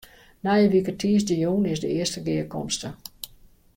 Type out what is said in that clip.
Nije wike tiisdeitejûn is de earste gearkomste.